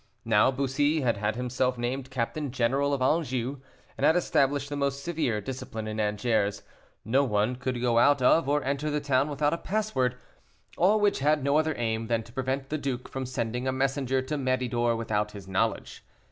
Now Bussy had had himself named Captain General of Anjou, and had established the most severe discipline in Angers; no one could go out of or enter the town without a password; all which had no other aim than to prevent the duke from sending a messenger to Méridor without his knowledge.